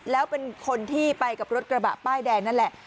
แล้วเป็นคนที่ไปกับรถกระบะป้ายแดงนั่นแหละ